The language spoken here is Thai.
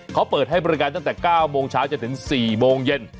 เขาเปิดให้บริการตั้งแต่๙โมงเช้าจนถึง๔โมงเย็น